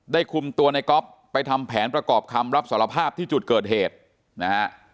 คุมตัวในก๊อฟไปทำแผนประกอบคำรับสารภาพที่จุดเกิดเหตุนะฮะ